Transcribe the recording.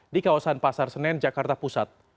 di kawasan pasar senen jakarta pusat